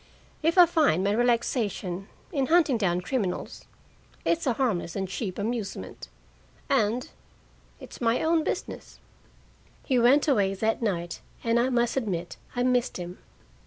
If I find my relaxation in hunting down criminals, it's a harmless and cheap amusement, and it's my own business." He went away that night, and I must admit I missed him.